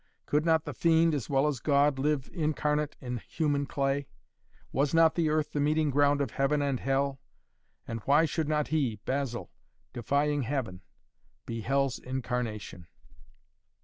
Could not the Fiend, as well as God, live incarnate in human clay? Was not the earth the meeting ground of Heaven and Hell? And why should not he, Basil, defying Heaven, be Hell's incarnation?